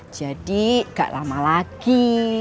jadi gak lama lagi